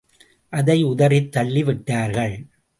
அதை உதறித் தள்ளிவிட்டார்கள்.